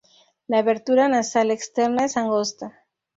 La abertura nasal externa es angosta.